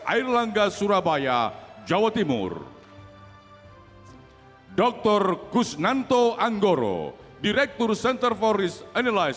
airlangga surabaya jawa timur hai dr kusnanto anggoro direktur center for this analysis